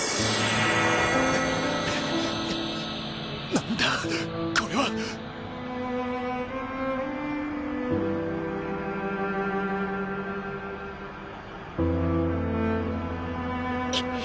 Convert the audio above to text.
なんだこれは？くっ！